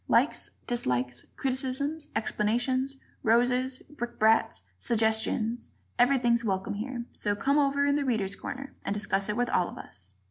Likes, dislikes, criticisms, explanations, roses, brickbats, suggestions everything's welcome here; so "come over in 'The Readers' Corner'" and discuss it with all of us!